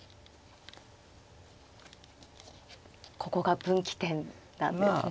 ここが分岐点なんですね。